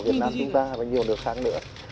việt nam chúng ta và nhiều nước khác nữa